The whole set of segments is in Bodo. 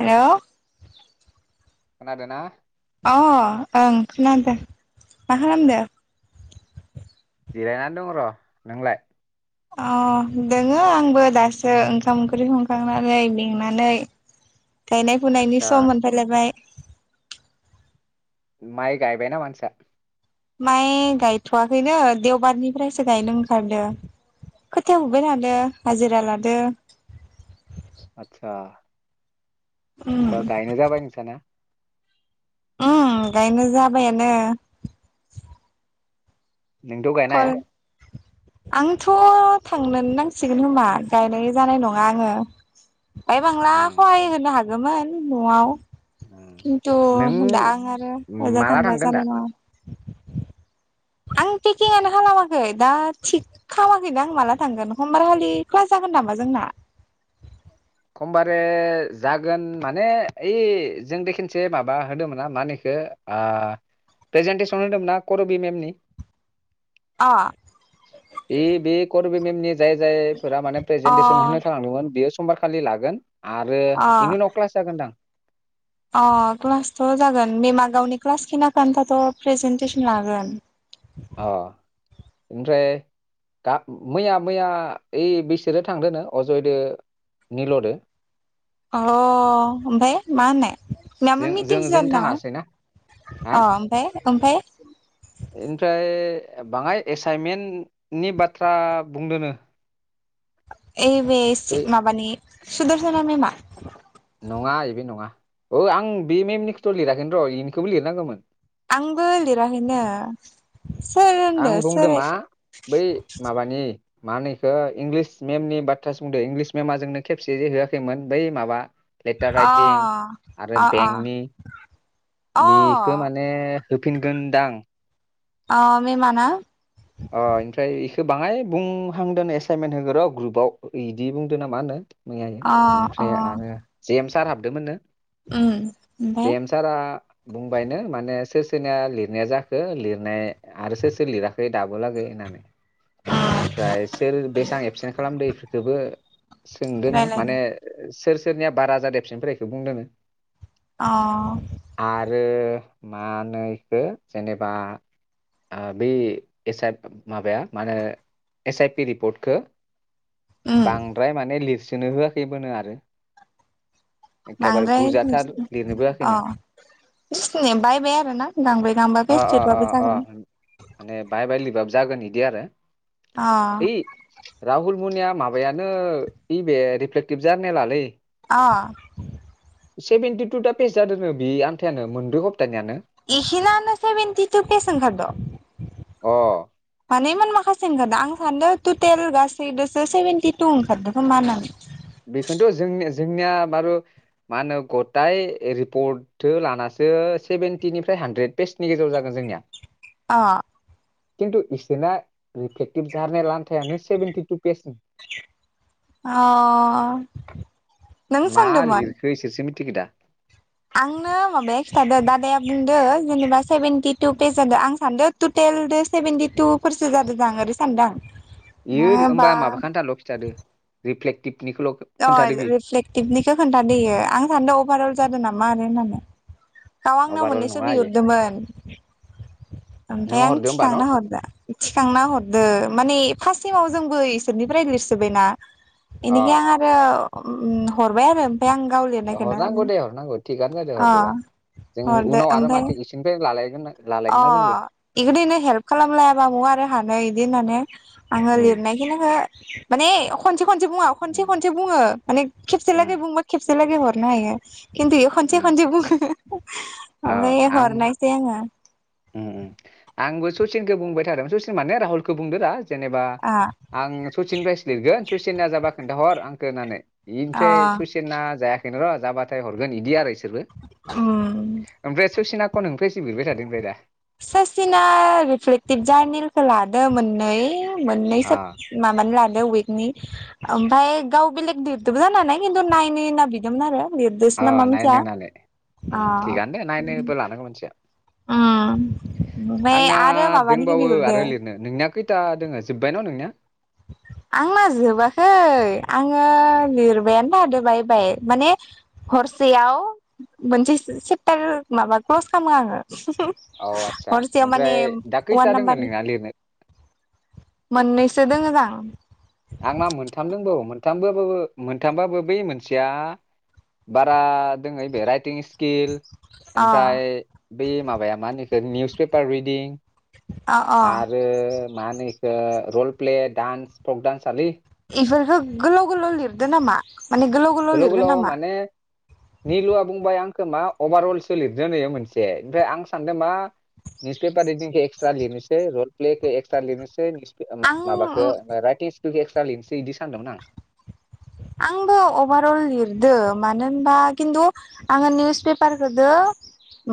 हेलौ खोनादोना? अ' ओं खोनादों मा खालामदो? जिरायनानै दङ र नोंलाय अ दोङो आंबो दासो ओंखाम ओंख्रि संखांनानै मेंनानै गायनाय फुनायनि आदसा सम मोनफायलायबाय माइ गायबाय नामा नोंसा माइ गायथवाखैनो देवबारनिफ्रायसो गायनो ओंखारदों खोथाया फुबाय थादो हाजिरा लादो आतसा उम होमबा गायनाय जाबाय नोंसाना उम गायनाय जाबायानो नोंथ‌गायनो हाया कल आंथ थांनोनो नांसिगोन होमा गायनाय जानाय नङा आंङो बाहाय बांला खहाय उम होनो हागौमोन नआव उम खिन्थु दा नों आं आरो ओजा माला थांबा थांगोन दा जानाय नङा आं पेकिंआनो खालामाखै दा थिग खामाखैनो आं माला थांगोन। खमबार खालि क्लास जागोन नामा जोंना? खमबारे जागोन माने ओइ जोंदि खेनसे माबा होदोंमोन ना मा नो इखो प्रेजेन्टेसन होदोंमोन ना करबि मेमनि। अ ए बे कट करबि मेलनि जाय जायफोरा माने अ प्रेजेन्टेसन होनो थालांदोंमोन बेयोस खालि लागोन। आरो अ बेनि उनाव क्लास जागोनदां। अ क्लासथ जागोन मेमा गावनि क्लास खिना खो आन्थाथ' प्रेजेन्टेसन लागोन। औ। ओमफ्राय गा मैया - मैया ओइ बिसोरो थांदो नो अजयदो निलदो। अ ओमफाय मा होननाय? माबा जों - जों मिटिंसो - जों जादों नामा थाङासै ना हा अ ओमफ्राय ओमफ्राय इमफ्राय बांङाय एसाइनमेन्टनि बाथ्रा बुंदोनो। ऐ बे बै से माबानि सुदर्शना मेमा। नङा इबे नङा औ आं बे मेमनिखौथ लिराखैनो र इनिखौबो लिरनांगौमोन। आंबो लिराखैनो। सोर होनदो आं बुंदों सोर मा बै माबानि मा नो इखो इंलिस मेमनि बाथ्रासो बुंदो इंलिस मेमा जोंनो खेबसे जे होआखैमोन बै माबा लेटार अ राइटिं आरो अ अ बेंकनि अ बिखो माने होफिनगोन दां। अ मेमाना? अ ओमफ्राय एखो बांङाय बुंहांदोनो एसाइनमेन्ट होगोन र ग्रुपाव इदि बुंदो ना मा नो। मैयायो अ ओमफ्राय अ आरो जेमस सार हाबदोंमोननो? उम ओमफाय जेम सारा बुंबायनो माने सोर सोरनिया लिरनाया जाखो लिरनाय आरो सोर सोर लिराखै दाबो लागै होननानै अ ओमफ्राय सोर बेसां एबसेन्ट खालामदो इफोरखोबो सोंदो नो रायलायदो माने सोर सोरनिया बारा जादो एबसेन्टफोरा इखो बुंदो अ आरो मा नो इखो जेनेबा ओ बेै एस आप माबाया मा होनो एस आइ पि रिपर्टखौ उम बांद्राय माने लिरसि नो होआखैबो नो आरो एखेबारे बांद्राय बुरजाथार लिरनोबो अ अ होआखैनो बिसिन बायबाय आरोना गांब्रै गांबा अ पेजबाबो जागोन बाय लिरबाबो जागोन बिदि आरो अ ओइ राहुल मोनिया माबायानो इबे रिफ्लेक्टिभ जार्नलालै। अ। सेभेेनटि टु दा पस जादों नो बे आन्थायानो मोनब्रै हप्तानियानो इसिनानो सेभेनटि तु पेज ओंखारद'? अ मान इमान माखासे। खासे ओंखारदो आं सानदों टटेल गासैदसो सेभेेनटि टु ओंखारदों खोमा होनानै बेखौनोथ' जोंनि जोंनिया बारु मा होनो गथाय रिपर्टो लानासो सेभेनटिनिफ्राय हानद्रेद पेेजनि गेजेराव जागोन जोंनिया अ खिन्थु इसोरना रिफेक्टिभ जारनाय लानो थानो सेभेेनटि तु पेस अ नों मा सोंदोंमोन लिखो इसोरसो मि थिखो दा आंनो माबाया खिन्थादो दादाया बुंदों जेनेबा सेभेेनटि तु पेज जादों आं सानदों टटेल सेभेेनटि तु फोरसो जादों दां ओरै सानदों आं यो होमबा बा माबा खानथाल' खिथादो। रिफेटिभ अ रिफ्लेक्टिभनिखौ खोन्थादोयो आं सानदों अभारअल जादों नामा मार होनानै गाव आंनाव अभारअल मोननैसो नङा इयो बिहरदोंमोन नों ओमफ्राय आं हरदो होमबा न' थिखांना हरदो थिखांना हरदो माने फार्स सेमाव जोंबो इसोरनिफ्राय लिरसोबायना अ एनिखाय आङो आरो हरबाय आरो। ओमफ्राय आं गाव लिरनायखोनो हरनांगौ दे हरनांगौ थिगानो जादों अ। हरदोबा जों हरदो उनाव आरो ओमफ्राय माथो इसिनिफ्राय लालायगोना अ इबादिनो हेल्प खालामलायाबा महा आरो हानो इदि होननानै आङो उम लिरनायखिनिखो माने खनसे खनसे बुङा खनसे उम खनसे बुङो माने खेबसे उम लागै बुंबा खेबसे लागै हर हरनो हायो। खिन्थुयो इयो खनसे उम खनसे बुङो। अ आमफाय आं हरनायसै आङो। उम आंबो सचिनखौ बुंबाय थादोंमोन सचिन माने राहुलखौ बुंदो रा जेनेबा आ आं सचिननिफ्रायसो लिरगोन सुसिना जाबा खोन्थाहर आंखौ होननानै। अ बेनिफ्राय सुसिन ना जायाखै। र' जाबाथाय हरगोन इदि आरो उम [unintelligible] ओमफ्राय आरो ससिना अ नोंफ्रायसो बिबाय थादों ओफ्राय दा? ससिना रिफ्लेक्टिभ जार्निलखौ लादों मोननै। मोननैसो अ माबानो लादों उयकनि। ओमफ्राय गाव बेलेग लिरदोबो जानो हानाय खिन्थु नायनो होनना बिदोंमोन आरो। लिरदोसो अ नामा नायनो मिथिया होननानै ओम अ थिगानो दे नायनोबो लानांगौ मानसिया। उम ओमफ्राय आंना आरो माबानिखौ दोंबावो बिहरदो आरो लिरनो नोंनिया खैथा दोङो जोबबाय न' नोंनिया? आंना जोबाखै आङो लिरबायानो थादो बाइ बाइ माने हरसेयाव मोनसे सेबथार माबा क्लब खालामो आङो। औ [unintelligible] आदसा हरसेयाव माने ओमफ्राय दा खैथा अवान दोङो नाम्बारनि नोंना लिरनो मोननैसो दोङो। हां आंना मोनथाम दोंबावोमोन। मोनथामबाबो मोनथामबाबो बै मोनसेया बारा दोङो बे राइटिं स्किल अ ओमफ्राय बे माबाया मा होनो निउस पेपार रिदिं अ अ आरो मा होनो एखो रल प्ले दानस भक लांस [unintelligible] बिफोरखौ गोलाव गोलाव लिरदो नामा? माने गोलाव लिरगोन गोलाव नामा माने निलुआ बुंबाय आं अभारअलसो लिरदोंनो इयो मोनसे ओमफ्राय आं सानदों मा निउस पेपार रिदिंखौ एक्सट्रा लिरनोसै रल प्लेखौ एक्स्रा लिरनोसै आं [unintelligible] माबाखौ राइथिं [unintelligible] एक्सट्रा लिनोसै बिदि सानदोंमोन आं आंबो अभारअल लिरदों मानो होनबा खिन्थु आङो निउस पेपारखौजों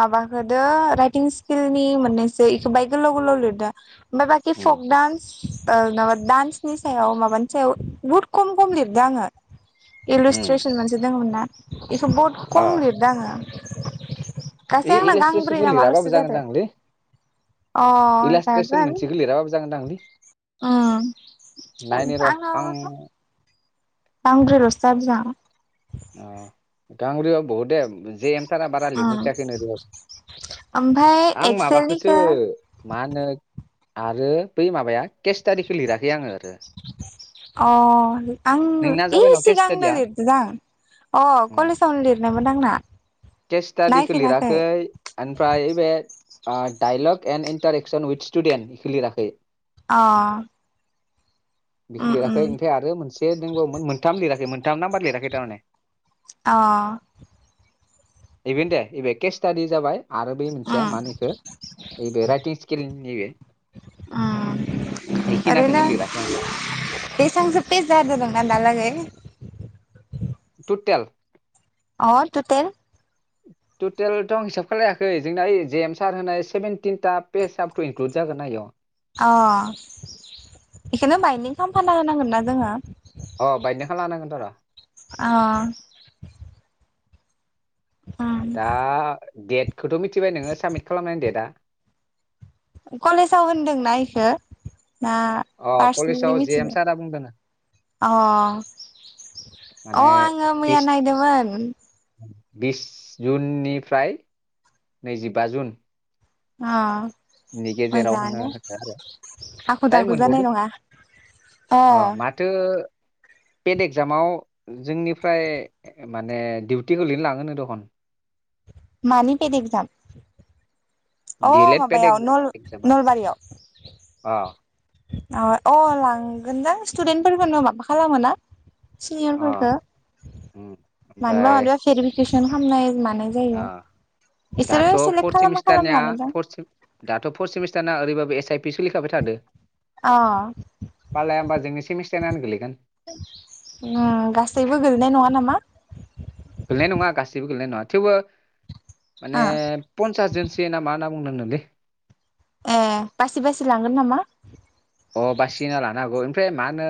माबाखौजों राइटिं स्किलनि मोननैसो इखौ बाहाय गोलाव गोलाव लिरदों आमफाय बाखि उम फक डान्स ओ माबा दान्सनि सायाव माबानि सायाव बुहुद खम खम लिरदों आङो उम इलिसटे्सन मोनसे दङमोन ना बेखौ बहुद अ खम लिरदों आङो इ गासै आंना इलास्ट्रेसनखौ गांब्रैना लिराबाबो माल'सो जागोन जादों जागोनलै अ जागोन जागोनदां लै उम नायनि र' आं आंनाव गांब्रैलसो [unintelligible] अ गांब्रैयबा बहुद दे [unintelligible] सारा बारा लिरनो आं। होखायाखै उम ओमफ्राय आं माबखौसो एक्सेलनिखौ मा होनो आरो बै माबाया केस्टारिखौ लिराखै आङो दो अ आंनो इ न' केस सिगांनो स्टाडिया लिरदो दां अ उम कलेजावनो लिरनायमोन आंना केस स्टाडिखौ नायफिनाखै लिराखै ओमफ्राय यै बे अ dialogue and interaction with student इखो लिराखै अ बेखौ उम लिराखै उम ओमफाय आरो मोनसे दोंबावोमोन मोनथाम लिराखै मोन दा नामबार लिराखै थारमाने अ बेबनो दे बेबखे स्टादि जाबाय आरो बे मोनसेया उम मानो इखौ नै बे राइटिं स्किलनि बे उम ईखिनाखौनो ओरैनो लिराखै आं थाबाय बेसेबांसो पेज जादों नोंना दालागै टुटेल? अ टु तेल टुटेल थ आं हिसाब खालायाखै जोंना यै जे एम सार होनाय सेभेनटिनटा पेसाब थ इनक्लुद जागोना इआव अ बेखोनो बाइनदिं खामफाना होनांगोनना जोङो अ बायदं खाना होनांगोनथ र अ दा उम देद खौथ मिथिबाय नोङो साबमिट खालामनायनि डेटआ कलेजाव होनदोंना इखो? ना अ पार्सनेलि कलेजाव जे मिथिगो एम सारा बुंदों अ माने अ आङो मैया बिस नायदोमोन बिस जुननिफ्राय नैजिबा जुन अ नि गेजेराव होनो मोजाङानो होदो आरो हाखु टाइम दाखु जानाय मोनबावदो नङा अ माथो पेड एकजामाव जोंनिफ्राय माने डिउटि गोलैनो लाङोनो दखन। मानि पेद एकजाम अ डि एल एड पेड माबायाव एग्जामा नल-नलबारियाव अ अ अ लांगोन दां स्टुदेन्टफोरखौनो माबा खालामो ना। सिनियरफोरखो अ उम। मानिबा मानबा भेरिफिकेसन खालामनाय मा आ दाथ फर सेलेक्ट खालामा सेमिस्टारनिया खालामलांगोनदां फर सिम दाथ फर्थ सेमिस्टारना ओरैबाबो एस आइ पि सोलिखाबाय थादो अ पाल्लाया होमबा जोंनि सेमिस्टारनानो गोलैगोन उम गासैबो गोलैनाय नङा नामा। गोलैनाय नङा गासिबो गोलैनाय नङा थेवबो माने ओ पनसासजोनसो नामा नाम बुंनांगोनलै ए बासि बासि लांगोन नामा अ बासिना लानो हागौ ओमफ्राय मा होनो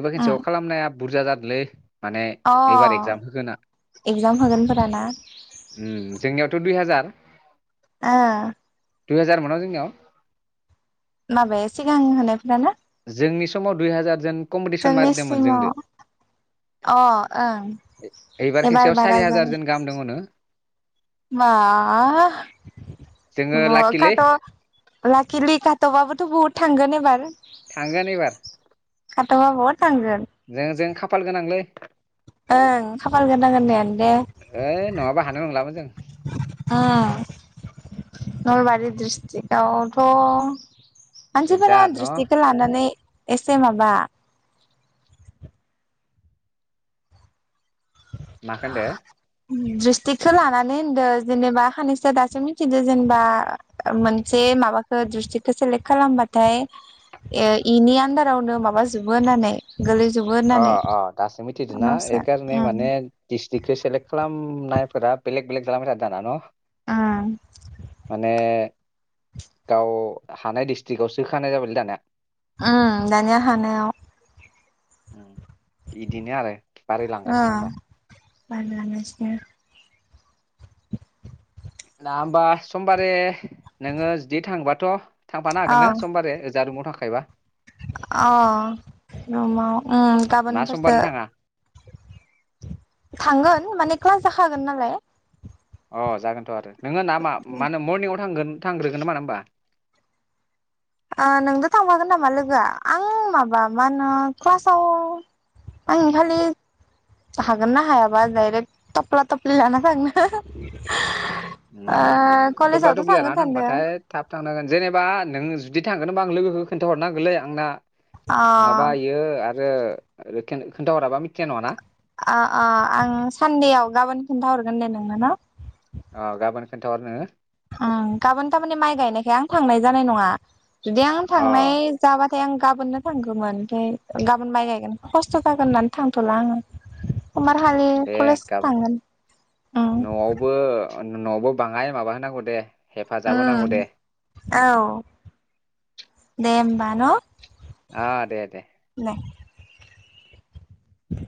एबार खोनसयाव उम खालामनाया बुरजा जादोंलै माने अ एइबार एगजाम होगोन ना एगजाम होगोनफोराना होम जोंनियावथ दुइ हाजार आ दुइ हाजार मोनो जोंनियाव माबाया सिगां होनायफोराना जोंनि समाव दुइ हाजार जोन कम्पिटिसन जोंनि मारिदोंमोन जोंदो सिमाव अ ओं एबार खेनसेयाव सारि हाजार जोन गाहाम दङनो मा जोङो अ लाखिलै खाथ' लाकिलि खाथ'बाबोथ' बहुद थांगोन एबार थांगोन एबार खाथ'बा बहुद थांगोन जों जों खाफाल गोनांलै ओं खाफाल गोनां होननाआनोदे ओइ नङाबा हानाय नंलामोन जों ओम। नलबारि डिस्ट्रिक्टआवथ' मानसिफोरा देनजार न' डिस्ट्रिक्टखौ लानानै एसे माबा माहोनदो ड्रिस्टि्रिक्खौ लानानै होनदो जेनेबा खानैसआ दासो मिथिदो जेनेबा मोनसे माबाखौ डिस्ट्रिक्खौ सेलेक्ट खालामबाथाय इनि आन्दारावनो माबाजोबो होननानै गोलैजोबो होननानै उनावसो ए उम माने डिस्ट्रिक्टखो सेलेक्ट खा खामनायफोरा बेलेग बेलेग जालांबाय थादो दाना न? उम माने गाव हानाय डिस्ट्रिकआव सोखानाय जाबायलै दाना। उम दानिया हानायाव। उम। बिदिनो आरो बारायलांगासिनो होमबा। बारायलांगासिनो। ना होमबा समबारे नोङो जुदि थांबाथ' थांफानो अ हागोननो समबारे। जादुमाव थाखायबा। अ' रुमाव उम ना गाबोनफोरसो समबारै थाङा थांगोन माने क्लास जाखागोन नालाय। अ' जागोनथ' आरो। नोङो ना मा माहोनो मर्निंआव थांगोन थांग्रोगोन नामा ना होमबा? ओ नोंबो थांफागोन नामा लोगोआ आं माबा मा होनो क्लासाव आं खालि हागोन ना हायाबा डायरेक्ट थफ्ला थफ्लि लाना थांनो। ओ उम थफ्ला कलेजावथ' थफ्लि थांगोन लानानानै सानदों थांबाथाय थाब थांनांगोन जेनेबा नों जु दि थांगोनबा आं लोगोखौ खोन्था हरनांगोनलै आंना। अ नङाबा इयो आर रो रो खोन-खोन्थाहराबा मिथिनाय नङाना। ओ ओ आं सानदेआव गाबोन खिन्थाहरगोन दे नोंनो ना। अ' गाबोन खोनथाहर नोङो। उम गाबोन थारमाने माइ गायनायखाय आं थांनाय जानाय नङा। जुदि आं अ थांनाय जाबा थाय आं गाबोननो थांगौमोन ओमफ्राय गाबोन माइ गायगोन खस्थ' जागोन होननानै थांथ'ला आङो। सम्बार हालि दे कलेज गाबोन थांगोन। न'बो बाङाय माबा होनांगौ दे। हेफाजाब होनांगौ उम दे औ दे होम बा न'। ओ दे दे। दे।